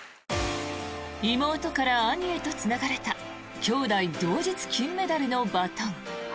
妹から兄へとつながれた兄妹同日金メダルのバトン。